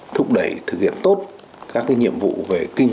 thúc đẩy thực hiện tốt các nhiệm vụ về kinh tế